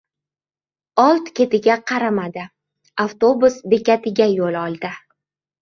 Old-ketiga qaramadi. Avtobus bekatiga yo‘l oldi.